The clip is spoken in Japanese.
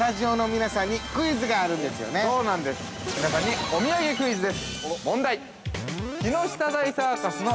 ◆皆さんに、お土産クイズです。